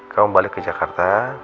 kamu balik ke jakarta